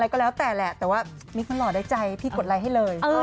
ก็เลยต้องไปคอยหาคัปชั่น